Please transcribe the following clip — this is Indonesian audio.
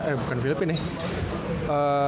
eh bukan filipina ya